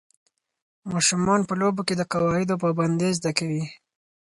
ماشومان په لوبو کې د قواعدو پابندۍ زده کوي.